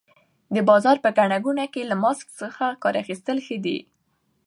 د بازار په ګڼه ګوڼه کې له ماسک څخه کار اخیستل ښه دي.